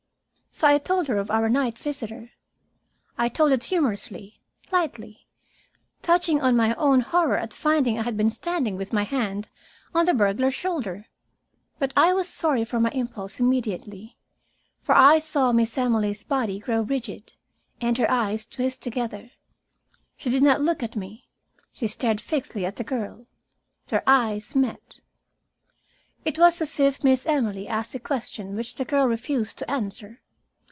So I told her of our night visitor. I told it humorously, lightly, touching on my own horror at finding I had been standing with my hand on the burglar's shoulder. But I was sorry for my impulse immediately, for I saw Miss Emily's body grow rigid, and her hands twist together. She did not look at me. She stared fixedly at the girl. Their eyes met. It was as if Miss Emily asked a question which the girl refused to answer.